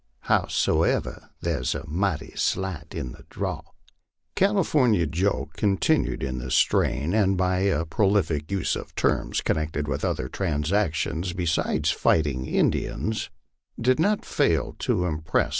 Howsomever, thar's a mighty sight in the draw." California Joe continued in this strain, and, by a prolific use of terms con nected with other transactions besides fighting Indians t did not fail to impress 1G3 LIFE ON THE PLAINS.